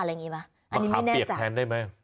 มะขามเปียกแทนได้ไหม